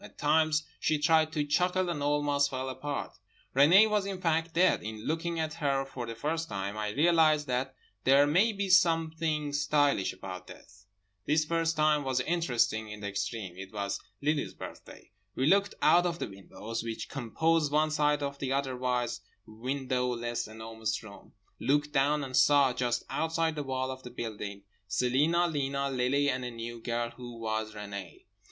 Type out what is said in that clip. At times she tried to chuckle and almost fell apart. Renée was in fact dead. In looking at her for the first time, I realised that there may be something stylish about death. This first time was interesting in the extreme. It was Lily's birthday. We looked out of the windows which composed one side of the otherwise windowless Enormous Room; looked down, and saw—just outside the wall of the building—Celina, Lena, Lily and a new girl who was Renée.